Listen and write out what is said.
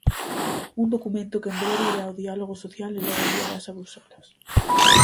Un documento que en breve irá ao diálogo social e logo enviarase a Bruxelas.